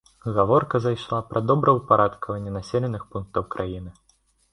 Гаворка зайшла пра добраўпарадкаванне населеных пунктаў краіны.